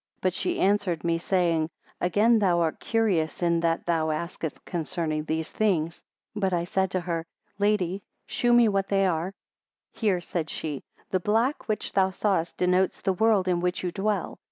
But she answered me saying; Again thou art curious in that thou asketh concerning these things. But I said to her, Lady, chew me what they are? 24 Hear, said she; The black which thou sawest denotes the world in which you dwell.